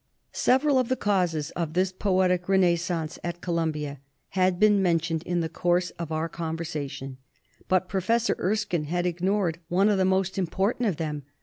Several of the causes of this poetic renascence at Columbia had been mentioned in the course of our conversation, but Professor Erskine had ig nored one of the most important of them.